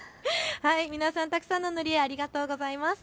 皆さん、たくさんの塗り絵、ありがとうございます。